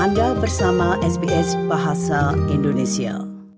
anda bersama sbs bahasa indonesia